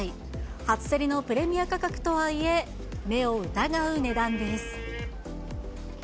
初競りのプレミア価格とはいえ、目を疑う値段です。